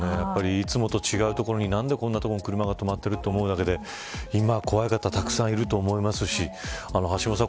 いつもと違う所に何でこんな所に車が止まってると思うわけで今、怖い方たくさんいると思いますし橋下さん